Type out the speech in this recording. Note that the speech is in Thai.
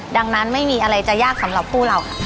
ดังนั้นไม่มีอะไรจะยากสำหรับผู้เราค่ะ